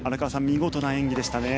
見事な演技でしたね。